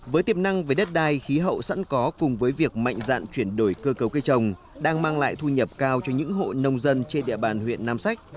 với tiềm năng về đất đai khí hậu sẵn có cùng với việc mạnh dạn chuyển đổi cơ cấu cây trồng đang mang lại thu nhập cao cho những hộ nông dân trên địa bàn huyện nam sách